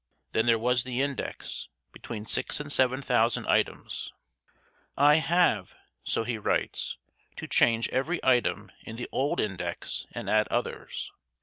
Then there was the index, between six and seven thousand items. "I have," so he writes, "to change every item in the old index and add others.